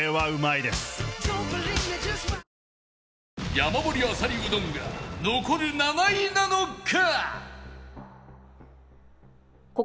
山盛りあさりうどんが残る７位なのか？